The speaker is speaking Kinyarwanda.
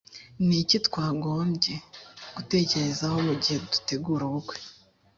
ni iki twagombye gutekerezaho mu gihe dutegura ubukwe?